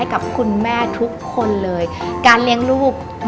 ในฐานะตอนนี้แพทย์รับสองตำแหน่งแล้วนะคะ